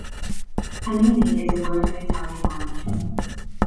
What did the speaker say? Panini is a word of Italian origin.